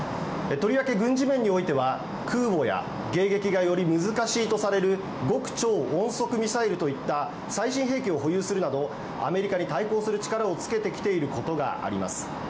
とりわけ軍事面においては空母や迎撃がより難しいとされる極超音速ミサイルといった最新兵器を保有するなどアメリカに対抗する力をつけてきていることがあります。